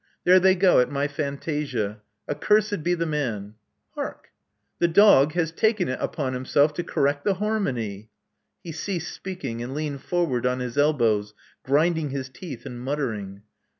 There they go at my fantasia. Accursed be the man Hark! The dog has taken it upon himself to correct the harmony." He ceased speak ing, and leaned forward on his elbows, grinding his teeth and muttering.